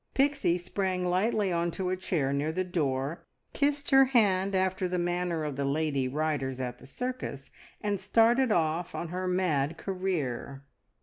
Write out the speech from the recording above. Pixie sprang lightly on to a chair near the door, kissed her hand after the manner of the lady riders at the circus, and started off on her mad career.